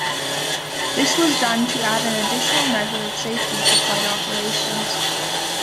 This was done to add an additional measure of safety to flight operations.